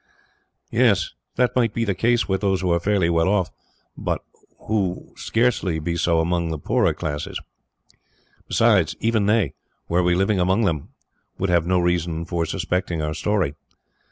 "Yes, that might be the case with those who are fairly well off, but would scarcely be so among the poorer classes. Besides, even they, were we living among them, would have no reason for suspecting our story.